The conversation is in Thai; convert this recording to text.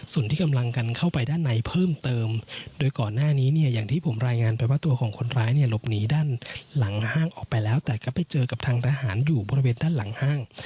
ส่วนที่กำลังกันเข้าไปด้านในเพิ่มเติมโดยก่อนหน้านี้เนี่ยอย่างที่ผมรายงานไปว่าตัวของคนร้ายเนี่ยหลบหนีด้านหลังห้างออกไปแล้วแต่ก็ไปเจอกับทางทหารอยู่บริเวณด้านหลังห้าง